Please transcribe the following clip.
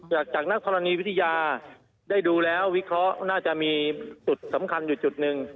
จากนักธรณีวิทยาได้ดูแล้ววิเคราะห์น่าจะมีจุดสำคัญอยู่จุดหนึ่ง